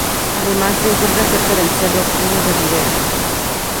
Además, se encuentra cerca del cerro Primo de Rivera.